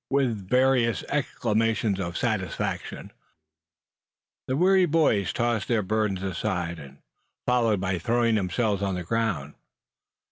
With various exclamations of satisfaction the weary boys tossed their burdens aside, and followed by throwing themselves on the ground.